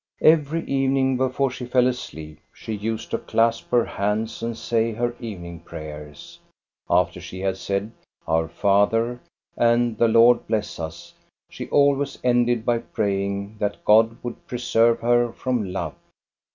Every evening, before she fell asleep, she used to clasp her hands and say her evening prayers. After she had said "Our Father" and "The Lord bless us " she always ended by praying that God would preserve her from love.